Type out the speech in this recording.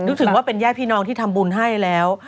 รู้ถึงจะเป็นแย่พี่น้องที่ทำบุญให้แล้ว